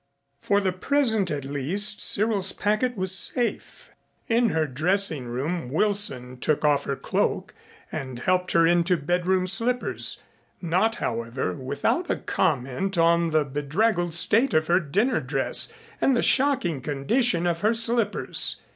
For the present at least Cyril's packet was safe. In her dressing room Wilson took off her cloak and helped her into bedroom slippers, not, however, without a comment on the bedraggled state of her dinner dress and the shocking condition of her slippers.